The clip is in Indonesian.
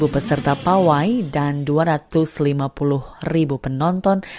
dua puluh peserta pawai dan dua ratus lima puluh ribu penonton